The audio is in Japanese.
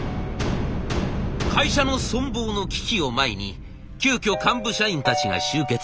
会社の存亡の危機を前に急きょ幹部社員たちが集結。